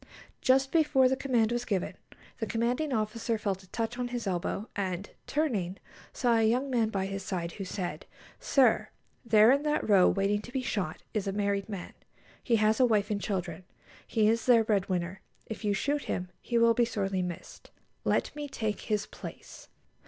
Just before the command was given, the commanding officer felt a touch on his elbow, and, turning, saw a young man by his side, who said, "Sir, there in that row, waiting to be shot, is a married man. He has a wife and children. He is their bread winner. If you shoot him, he will be sorely missed. _Let me take his place.